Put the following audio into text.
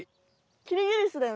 キリギリスだよね？